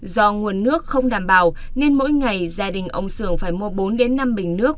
do nguồn nước không đảm bảo nên mỗi ngày gia đình ông sưởng phải mua bốn năm bình nước